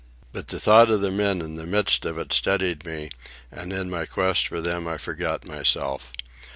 But the thought of the men in the midst of it steadied me, and in my quest for them I forgot myself.